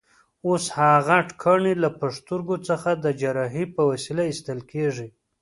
اوس هم غټ کاڼي له پښتورګو څخه د جراحۍ په وسیله ایستل کېږي.